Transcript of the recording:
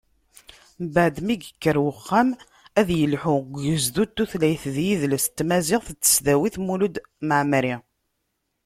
Mbeɛd mi yekker uxxam ad yelḥu deg ugezdu n tutlayt d yidles n tmaziɣt n tesdawit n Mulud Mɛemmeri.